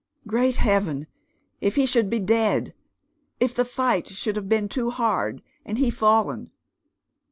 Great heaven ! if he should be dead I If the fight should have been too hard, and he fallen